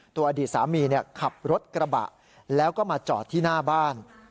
อดีตสามีขับรถกระบะแล้วก็มาจอดที่หน้าบ้าน